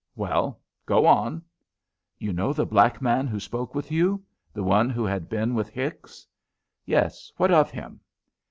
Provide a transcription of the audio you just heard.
"Well, go on!" "You know the black man who spoke with you the one who had been with Hicks?" "Yes, what of him?"